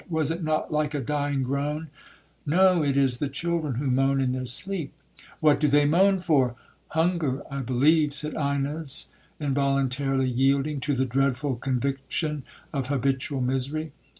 —was it not like a dying groan?'—'No—it is the children who moan in their sleep.'—'What do they moan for?' 'Hunger I believe,' said Ines, involuntarily yielding to the dreadful conviction of habitual misery.